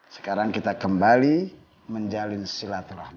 sekarang kita kembali menjalin silaturahmi